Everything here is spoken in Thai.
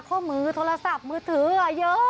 ข้อมือโทรศัพท์มือถือเยอะ